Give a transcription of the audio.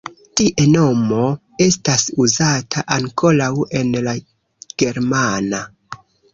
Tie nomo estas uzata ankoraŭ en la germana.